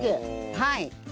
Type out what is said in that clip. はい。